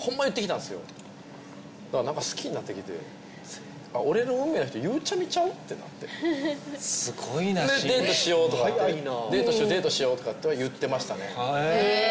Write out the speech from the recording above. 何か好きになってきてあっ俺の運命の人ゆうちゃみちゃう？ってなってすごいなしんいちで「デートしよう」とかって「デートしようデートしよう」とかって言ってましたねへぇ！